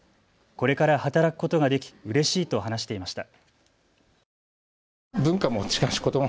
これから働くことができうれしいと話していました。